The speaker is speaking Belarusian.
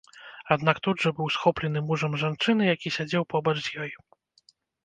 Аднак тут жа быў схоплены мужам жанчыны, які сядзеў побач з ёй.